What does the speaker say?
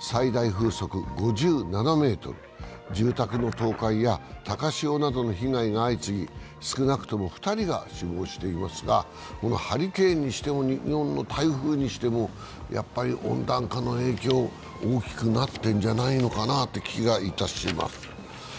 最大風速は５７メートル、住宅の倒壊や高潮などの被害が相次ぎ少なくとも２人が死亡していますが、このハリケーンにしても、日本の台風にしても、やっぱり温暖化の影響が大きくなっているんじゃないかなという気がいたします。